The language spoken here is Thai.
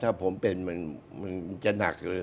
เขาบอกว่าถ้าผมเป็นมันจะหนัก